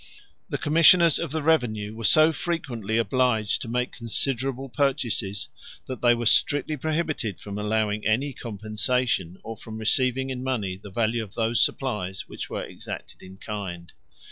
The commissioners of the revenue were so frequently obliged to make considerable purchases, that they were strictly prohibited from allowing any compensation, or from receiving in money the value of those supplies which were exacted in kind.